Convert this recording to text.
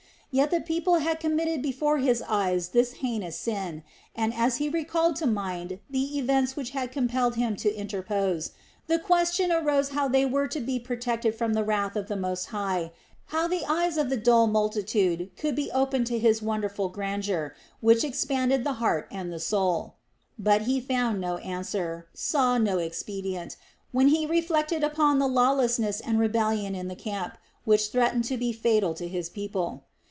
Yet the people had committed before his eyes this heinous sin and, as he recalled to mind the events which had compelled him to interpose, the question arose how they were to be protected from the wrath of the Most High, how the eyes of the dull multitude could be opened to His wonderful grandeur, which expanded the heart and the soul. But he found no answer, saw no expedient, when he reflected upon the lawlessness and rebellion in the camp, which threatened to be fatal to his people.